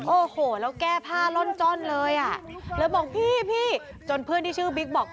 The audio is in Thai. โอ้โหแล้วแก้ผ้าล่อนจ้อนเลยอ่ะแล้วบอกพี่พี่จนเพื่อนที่ชื่อบิ๊กบอก